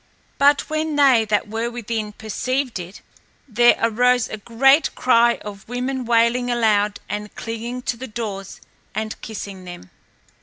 But when they that were within perceived it, there arose a great cry of women wailing aloud and clinging to the doors and kissing them.